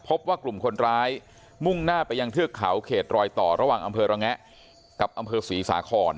พบว่ากลุ่มคนร้ายมุ่งหน้าไปยังเทือกเขาเขตรอยต่อระหว่างอำเภอระแงะกับอำเภอศรีสาคร